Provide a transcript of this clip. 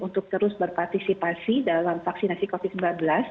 untuk terus berpartisipasi dalam vaksinasi covid sembilan belas